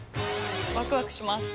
ワクワクします。